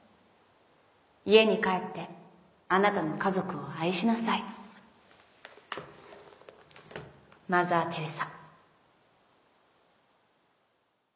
「家に帰ってあなたの家族を愛しなさい」「マザー・テレサ」